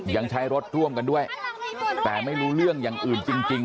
ยังใช้รถร่วมกันด้วยแต่ไม่รู้เรื่องอย่างอื่นจริง